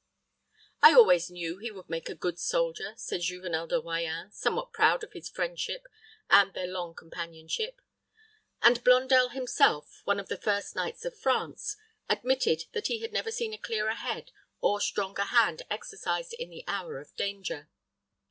"I always knew he would make a good soldier," said Juvenel de Royans, somewhat proud of his friendship and their long companionship; and Blondel himself, one of the first knights of France, admitted that he had never seen a clearer head or stronger hand exercised in the hour of danger.